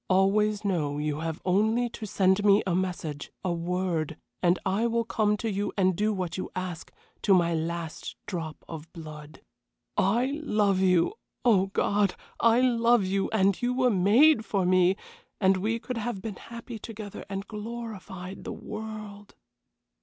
Always know you have only to send me a message, a word, and I will come to you and do what you ask, to my last drop of blood. I love you! Oh, God! I love you, and you were made for me, and we could have been happy together and glorified the world."